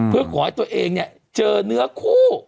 เพื่อขอให้ตัวเองเจอเนื้อคู่